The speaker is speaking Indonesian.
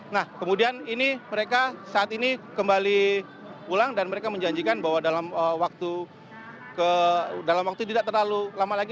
nah kemudian ini mereka saat ini kembali pulang dan mereka menjanjikan bahwa dalam waktu tidak terlalu lama lagi